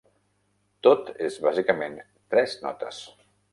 Tot és bàsicament tres notes!